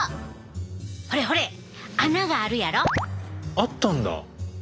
あったんだ！